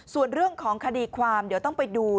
ส่วนเรื่องของคดีความเดี๋ยวต้องไปดู